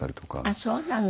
ああそうなの。